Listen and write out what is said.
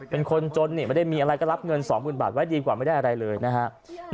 เป็นคนจนนี่ไม่ได้มีอะไรก็รับเงิน๒๐๐๐บาทไว้ดีกว่าไม่ได้อะไรเลยนะครับ